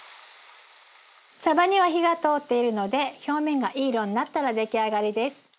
さばには火が通っているので表面がいい色になったら出来上がりです。